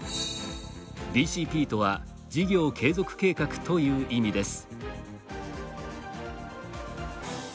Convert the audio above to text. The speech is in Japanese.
ＢＣＰとは事業継続計画という意味です。